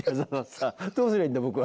どうすりゃいいんだ僕は。